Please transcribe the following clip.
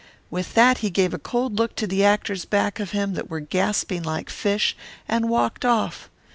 "With that he gave a cold look to the actors back of him that were gasping like fish, and walked off.